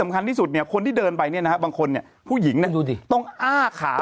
ไม่ถึงสามคัวป